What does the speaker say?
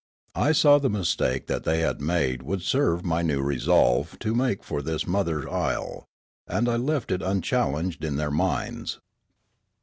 I saw the mistake that they had made would serve my new resolve to make for this mother isle ; and I left it unchallenged in their minds.